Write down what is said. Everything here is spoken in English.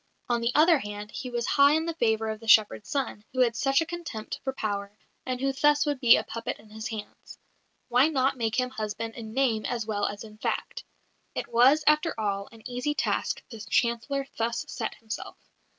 On the other hand, he was high in the favour of the shepherd's son, who had such a contempt for power, and who thus would be a puppet in his hands. Why not make him husband in name as well as in fact? It was, after all, an easy task the Chancellor thus set himself.